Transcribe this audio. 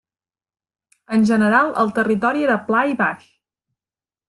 En general el territori era pla i baix.